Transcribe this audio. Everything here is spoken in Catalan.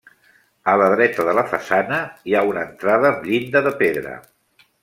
A la dreta de la façana hi ha una entrada amb llinda de pedra.